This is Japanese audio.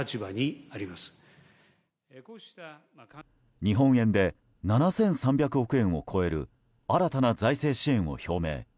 日本円で７３００億円を超える新たな財政支援を表明。